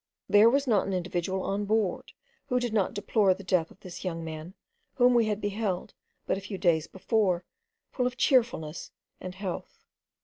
There was not an individual on board, who did not deplore the death of this young man, whom we had beheld, but a few days before, full of cheerfulness and health.